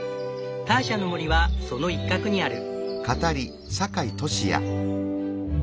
ターシャの森はその一角にある。